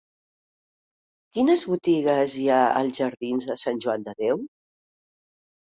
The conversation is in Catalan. Quines botigues hi ha als jardins de Sant Joan de Déu?